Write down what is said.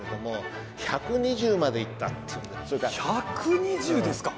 １２０ですか！